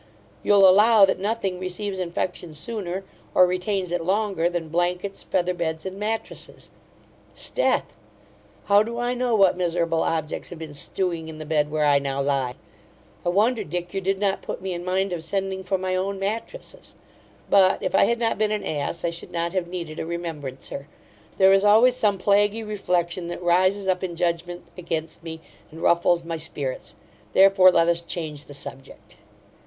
You'll allow, that nothing receives infection sooner, or retains it longer, than blankets, feather beds, and matrasses 'Sdeath! how do I know what miserable objects have been stewing in the bed where I now lie! I wonder, Dick, you did not put me in mind of sending for my own matrasses But, if I had not been an ass, I should not have needed a remembrancer There is always some plaguy reflection that rises up in judgment against me, and ruffles my spirits Therefore, let us change the subject.